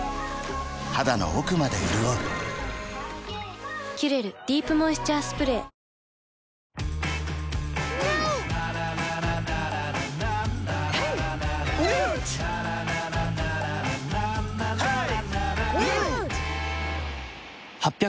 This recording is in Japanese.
肌の奥まで潤う「キュレルディープモイスチャースプレー」はい。